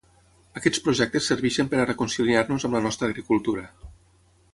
Aquests projectes serveixen per a reconciliar-nos amb la nostra agricultura.